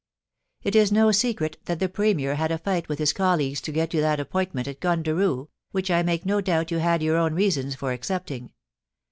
* It is no secret that the Premier had a fight with his colleagues to get you that appointment at Gundaroo, which I make no doubt you had your own reasons for accepting.